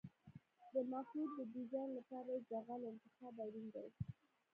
د مخلوط د ډیزاین لپاره د جغل انتخاب اړین دی